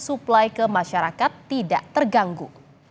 suplai ke masyarakat tidak terganggu